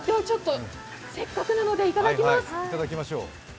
せっかくなので、いただきます。